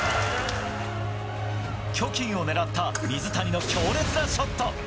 キョ・キンを狙った水谷の強烈なショット。